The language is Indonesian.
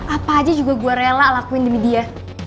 apa aja juga gue rela lakuin demi dia